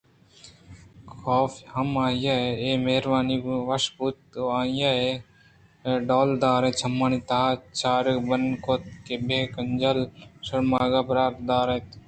کاف ہم آئی ءِ اے مہروانی ءَ وش بوت ءُآئی ءِ ڈولداریں چمانی تہاچارگ بنا کُت کہ بے کنجل ءُسُرمگ ءَ براہ داراِت اَنت